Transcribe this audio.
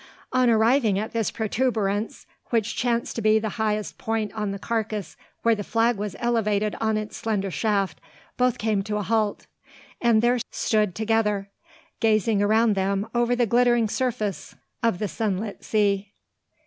On arriving at this protuberance, which chanced to be the highest point on the carcass where the flag was elevated on its slender shaft, both came to a halt; and there stood together, gazing around them over the glittering surface of the sunlit sea.